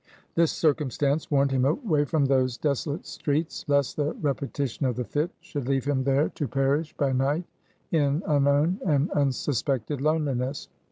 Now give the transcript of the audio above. This circumstance warned him away from those desolate streets, lest the repetition of the fit should leave him there to perish by night in unknown and unsuspected loneliness.